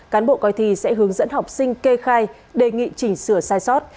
cán bộ coi thi sẽ hướng dẫn học sinh kê khai đề nghị chỉnh sửa sai sót